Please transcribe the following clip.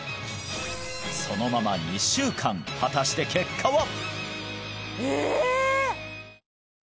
そのまま２週間果たして結果は！？